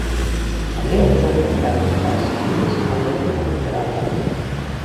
Але ўжо працяглы час ідуць на гэты конт перамовы.